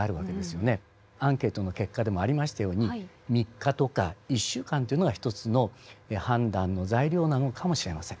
アンケートの結果でもありましたように３日とか１週間というのが一つの判断の材料なのかもしれません。